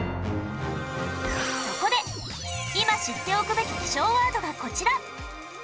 そこで今知っておくべき気象ワードがこちら。